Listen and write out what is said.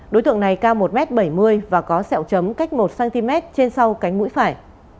đối tượng này cao một m bảy mươi và có sẹo chấm cách một cm trên sau cánh mũi phải